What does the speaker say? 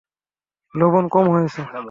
লবণ কম হয়েছে।